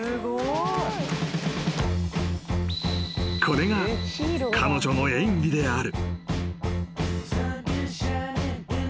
［これが彼女の演技である］